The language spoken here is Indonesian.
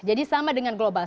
jadi sama dengan global